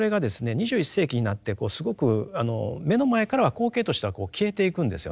２１世紀になってすごく目の前からは光景としては消えていくんですよね。